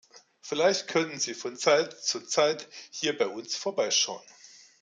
Vielleicht könnten Sie von Zeit zu Zeit hier bei uns vorbeischauen.